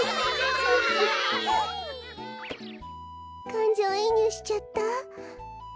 かんじょういにゅうしちゃった。